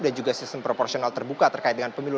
dan juga sistem proporsional terbuka terkait dengan pemilu